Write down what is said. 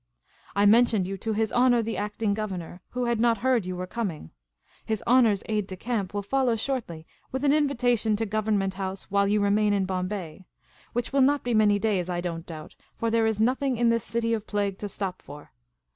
" I mentioned you to His Honour the Acting Governor, who had not heard you were coming. His Honour's aide de camp will follow shortly with an invitation to Government House while you remain in Bombay — which will not be many days, I don't doubt, for there is nothing in this city of plague to stop for.